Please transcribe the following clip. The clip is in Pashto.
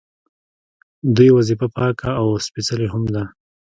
دوی وظیفه پاکه او سپیڅلې هم ده.